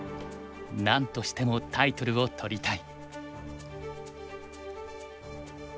なんとしてもタイトルを取りたい。